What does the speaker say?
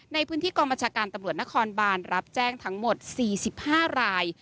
ในพื้นที่กองบัญชาการตำรวจนครบานรับแจ้งทั้งหมด๔๕ราย